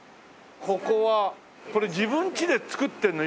ここはこれ自分んちで作ってんの？